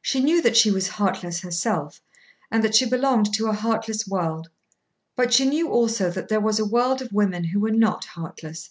She knew that she was heartless herself, and that she belonged to a heartless world; but she knew also that there was a world of women who were not heartless.